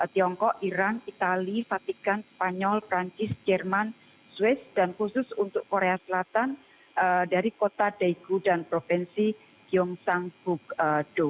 tiongkok iran itali fatigan spanyol perancis jerman swiss dan khusus untuk korea selatan dari kota daegu dan provinsi gyeongsang bukdo